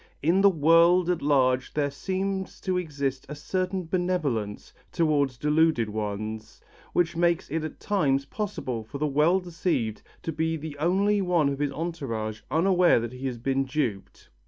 In the world at large there seems to exist a certain benevolence towards deluded ones, which makes it at times possible for the well deceived to be the only one of his entourage unaware that he has been duped.